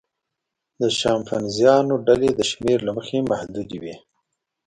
د شامپانزیانو ډلې د شمېر له مخې محدودې وي.